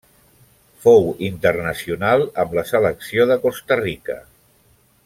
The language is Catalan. Fou internacional amb la selecció de Costa Rica.